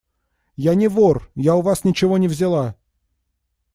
– Я не вор! Я у вас ничего не взяла.